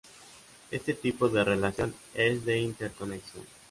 Este tipo de relación es de interconexión.